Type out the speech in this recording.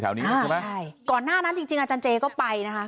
นี้ใช่ไหมใช่ก่อนหน้านั้นจริงจริงอาจารย์เจก็ไปนะคะ